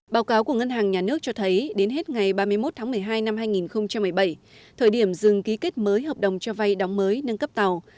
báo cáo của ngân hàng nhà nước cho thấy đến hết ngày ba mươi một tháng một mươi hai năm hai nghìn một mươi bảy thời điểm dừng ký kết mới hợp đồng cho vay đóng mới nâng cấp tàu